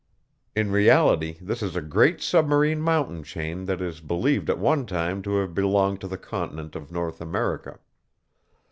In reality this is a great submarine mountain chain that is believed at one time to have belonged to the continent of North America.